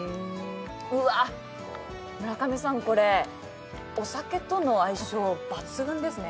うわっ、村上さん、お酒との相性抜群ですね？